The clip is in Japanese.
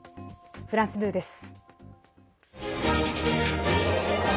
フランス２です。